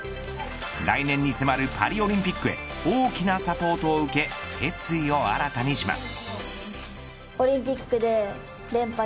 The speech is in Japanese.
来年に迫るパリオリンピックへ大きなサポートを受け決意を新たにします。